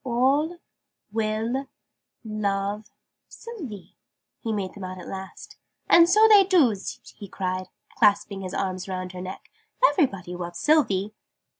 "All will love Sylvie," he made them out at last. "And so they doos!" he cried, clasping his arms round her neck. "Everybody loves Sylvie!"